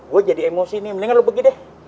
gue jadi emosi nih mendingan lo begini deh